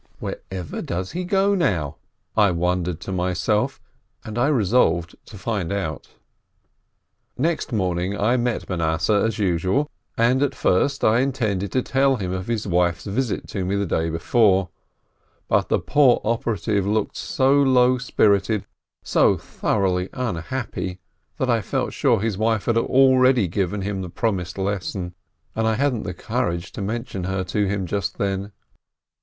Wherever does he go, now? I wondered to myself, and I resolved to find out. Next morning I met Manasseh as usual, and at first I intended to tell him of his wife's visit to me the day before; but the poor operative looked so low spirited, so thoroughly unhappy, that I felt sure his wife had already given him the promised "lesson," and I hadn't the courage to mention her to him just then.